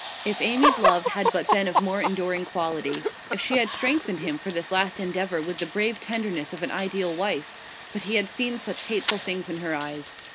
If Amy's love had but been of more enduring quality; if she had strengthened him for this last endeavour with the brave tenderness of an ideal wife! But he had seen such hateful things in her eyes.